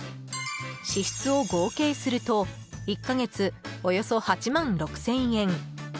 支出を合計すると１か月およそ８万６０００円。